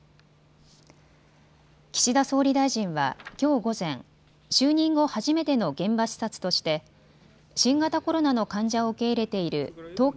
岸田総理大臣はきょう午前、就任後初めての現場視察として新型コロナの患者を受け入れている東京